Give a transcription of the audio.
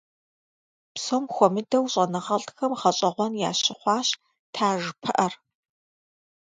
Псом хуэмыдэу щӀэныгъэлӀхэм гъэщӏэгъуэн ящыхъуащ таж пыӀэр.